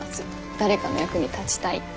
誰かの役に立ちたいって。